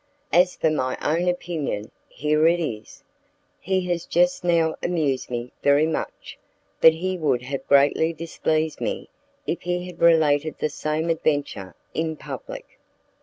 As for my own opinion, here it is: He has just now amused me very much, but he would have greatly displeased me if he had related the same adventure in public."